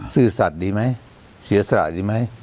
ซื่อสัตว์ดีไหมเสียสละดีไหม